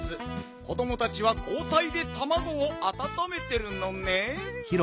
子どもたちはこうたいでたまごをあたためてるのねん。